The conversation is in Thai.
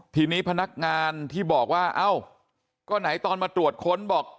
ทีนี้พนักงานที่บอกว่าเอ้าก็ไหนตอนมาตรวจค้นบอก